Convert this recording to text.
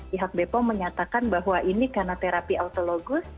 pihak bepom menyatakan bahwa ini karena terapi autologus